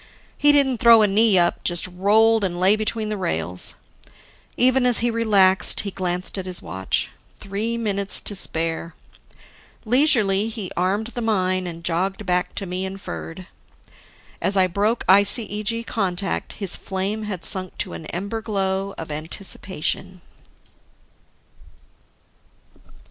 He didn't throw a knee up, just rolled and lay between the rails. Even as he relaxed, he glanced at his watch: three minutes to spare. Leisurely, he armed the mine and jogged back to me and Ferd. As I broke ICEG contact, his flame had sunk to an ember glow of anticipation.